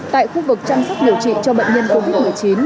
tại khu vực chăm sóc điều trị cho bệnh nhân covid một mươi chín